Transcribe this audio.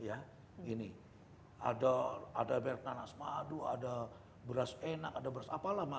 ada beras nanas madu ada beras enak ada beras apalah